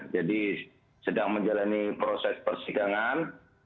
jadi sedang menjalani proses persidangan